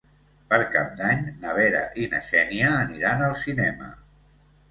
Per Cap d'Any na Vera i na Xènia aniran al cinema.